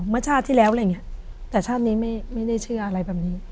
เมื่อชาติที่แล้วอะไรอย่างนี้แต่ชาตินี้ไม่ได้เชื่ออะไรแบบนี้